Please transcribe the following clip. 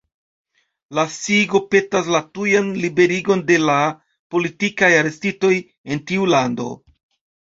La sciigo petas la tujan liberigon de la «politikaj arestitoj» en tiu lando.